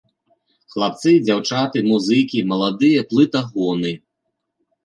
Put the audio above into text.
Хлапцы, дзяўчаты, музыкі, маладыя плытагоны.